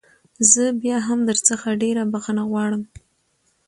زه بيا هم درڅخه ډېره بخښنه غواړم.